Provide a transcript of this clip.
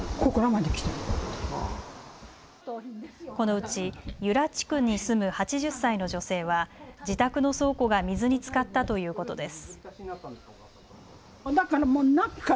このうち油良地区に住む８０歳の女性は自宅の倉庫が水につかったということです。